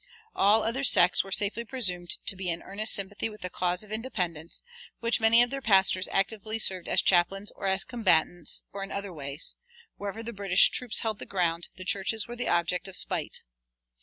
All other sects were safely presumed to be in earnest sympathy with the cause of independence, which many of their pastors actively served as chaplains or as combatants, or in other ways; wherever the British troops held the ground, their churches were the object of spite.